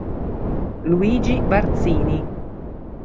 Luigi Barzini